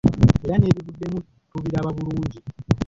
Era n’ebivuddemu tubiraba bulungi.